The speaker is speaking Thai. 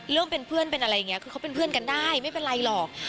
เรื่องเป็นเพื่อนเป็นอะไรอย่างนี้คือเขาเป็นเพื่อนกันได้ไม่เป็นไรหรอก